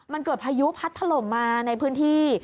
มันเกิดพายุพัดถล่มมาในพื้นที่